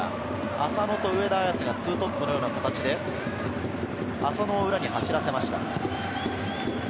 浅野と上田綺世が２トップのような形で、浅野を裏に走らせました。